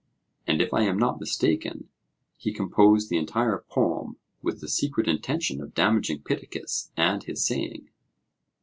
And if I am not mistaken, he composed the entire poem with the secret intention of damaging Pittacus and his saying.